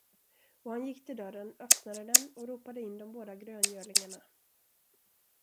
Och han gick till dörren, öppnade den och ropade in de båda gröngölingarna.